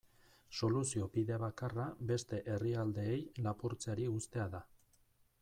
Soluzio bide bakarra beste herrialdeei lapurtzeari uztea da.